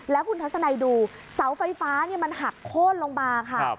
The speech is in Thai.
แล้วคุณทัศนัยดูเสาไฟฟ้ามันหักโค้นลงมาค่ะ